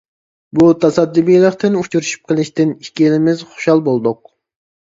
بۇ تاسادىپىيلىقتىن ئۇچرىشىپ قېلىشتىن ئىككىلىمىز خۇشال بولدۇق.